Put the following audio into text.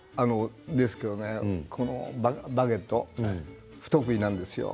ですからね、このバゲット不得意なんですよ。